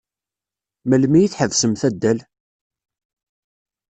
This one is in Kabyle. Melmi i tḥebsemt addal?